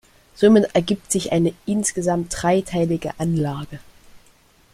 Somit ergibt sich eine insgesamt dreiteilige Anlage.